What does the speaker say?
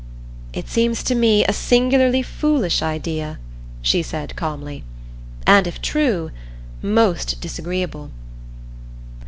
"It seems to me a singularly foolish idea," she said calmly. "And if true, most disagreeable."